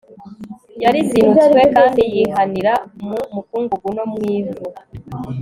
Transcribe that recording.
yarizinutswe kandi yihanira mu mukungugu no mu ivu